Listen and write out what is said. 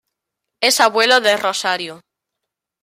Es abuelo de Rosario.